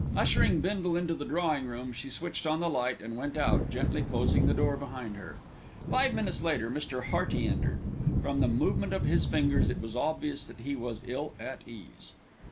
Ushering Bindle into the drawing room, she switched on the light and went out, gently closing the door behind her. Five minutes later Mr. Hearty entered. From the movement of his fingers, it was obvious that he was ill at ease.